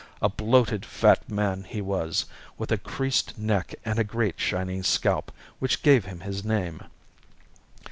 A bloated fat man he was, with a creased neck and a great shining scalp, which gave him his name.